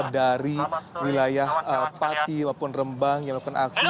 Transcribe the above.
dari wilayah pati maupun rembang yang melakukan aksi